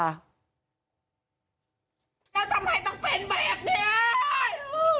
แล้วทำไมต้องเป็นแบบนี้